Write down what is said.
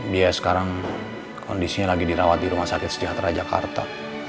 dia sekarang kondisinya lagi dirawat di rumah sakit sejahtera jakarta